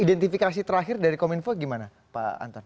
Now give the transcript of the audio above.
identifikasi terakhir dari kominfo gimana pak anton